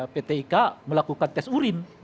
pt ika melakukan tes urin